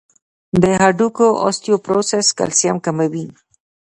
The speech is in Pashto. د هډوکو اوسټيوپوروسس کلسیم کموي.